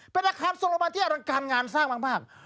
เป็นอาคารโซโลมันที่อลังการงานสร้างมาก